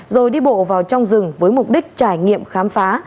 rồi đi bộ vào trong rừng với mục đích trải nghiệm khám phá